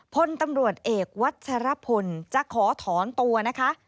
พลตำรวจเอกวัชรพลจะขอถอนตัวนะคะ